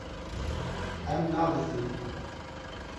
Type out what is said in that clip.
Em nabizdin.